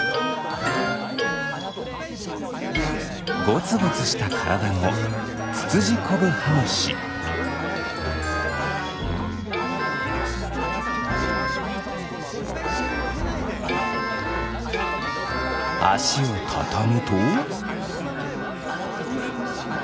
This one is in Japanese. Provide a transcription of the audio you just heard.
ゴツゴツしたからだのあしをたたむと。